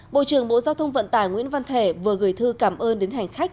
bộ trưởng bộ giao thông vận tải nguyễn văn thể vừa gửi thư cảm ơn đến hành khách